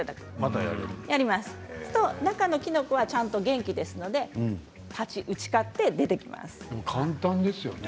そうすると、中のキノコは、ちゃんと元気ですので打ち勝って出てきます。